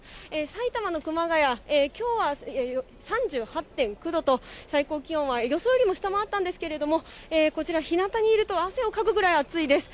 埼玉の熊谷、きょうは３８．９度と、最高気温は予想よりも下回ったんですけれども、こちら、ひなたにいると汗をかくぐらい暑いです。